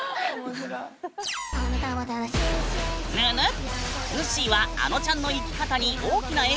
ぬぬっ！